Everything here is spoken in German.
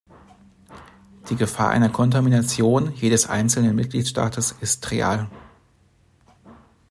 Die Gefahr einer Kontamination jedes einzelnen Mitgliedstaates ist real.